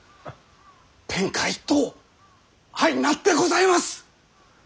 天下一統相なってございます！